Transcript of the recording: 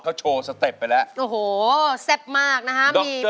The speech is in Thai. เขาโชว์สเต็ปไปแล้วโอ้โหแซ่บมากนะฮะมี